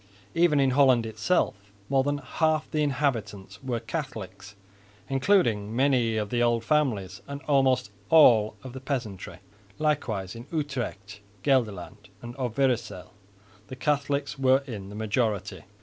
Even in Holland itself more than half the inhabitants were Catholics, including many of the old families and almost all the peasantry. Likewise in Utrecht, Gelderland and Overyssel the Catholics were in the majority.